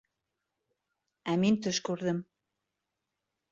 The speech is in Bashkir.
— Ә мин төш күрҙем.